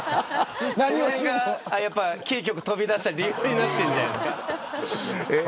それがキー局飛び出した理由になってるんじゃないんですか。